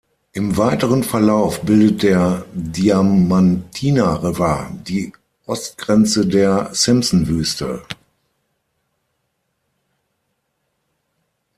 Im weiteren Verlauf bildet der Diamantina River die Ostgrenze der Simpsonwüste.